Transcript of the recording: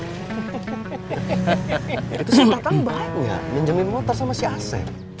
itu si tatang baik gak menjamin motor sama si asem